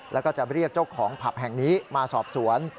แล้วก็จะเรียกเจ้าของผับแห่งนี้มาสอบสวน